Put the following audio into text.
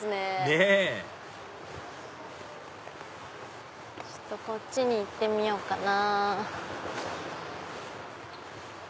ねぇちょっとこっちに行ってみようかな。